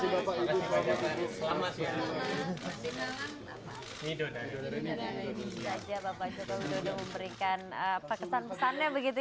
ini saja bapak jokowi dodo memberikan pesan pesannya begitu ya